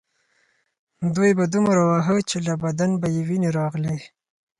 دوی به دومره واهه چې له بدن به یې وینې راغلې